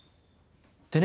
でね